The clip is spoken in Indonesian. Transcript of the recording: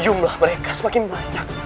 jumlah mereka semakin banyak